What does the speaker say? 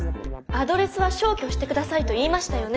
アドレスは消去して下さいと言いましたよね？